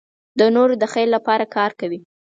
د نورو د خیر لپاره کار کوي.